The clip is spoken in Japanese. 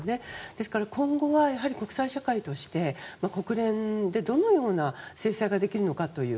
ですから今後はやはり国際社会として国連で、どのような制裁ができるのかという。